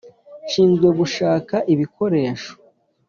nshinzwe gushaka ibikoresho